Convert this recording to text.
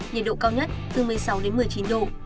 nhiệt độ cao nhất từ một mươi sáu đến một mươi chín độ